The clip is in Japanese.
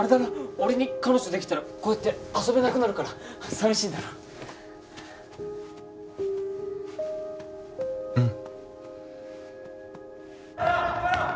俺に彼女できたらこうやって遊べなくなるから寂しいんだろうん